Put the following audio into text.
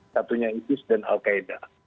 satunya isis dan al qaeda